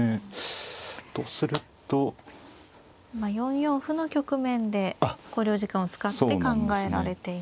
今４四歩の局面で考慮時間を使って考えられていますね。